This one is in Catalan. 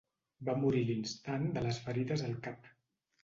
Va morir a l'instant de les ferides al cap.